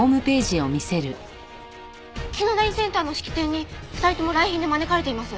紀野谷センターの式典に２人とも来賓で招かれています。